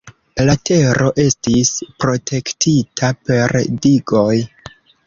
La tero estis protektita per digoj.